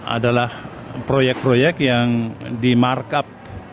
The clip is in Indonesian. adalah proyek proyek yang dimarkup